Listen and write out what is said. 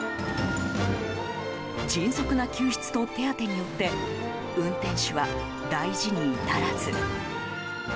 迅速な救出と手当てによって運転手は大事に至らず。